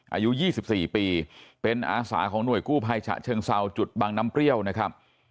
อายุ๒๔ปีเป็นอาสาของหน่วยกู้ภัยฉะเชิงเซาจุดบังน้ำเปรี้ยวนะครับ